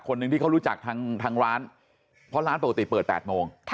หนึ่งที่เขารู้จักทางร้านเพราะร้านปกติเปิด๘โมง